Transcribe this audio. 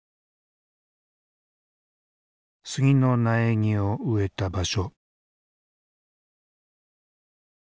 杉の苗木を植えた場所。